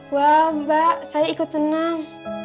wah mbak saya ikut senang